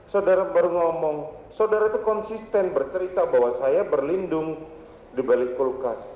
saudara itu konsisten bercerita bahwa saya berlindung di balik kulkas